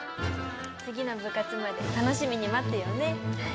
次の部活まで楽しみに待ってようね。